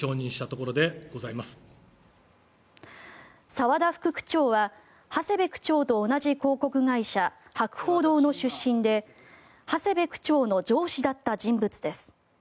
澤田副区長は長谷部区長と同じ広告会社博報堂の出身で長谷部区長の上司だった人物です。